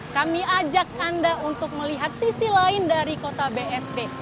kami ajak anda untuk melihat sisi lain dari kota bsd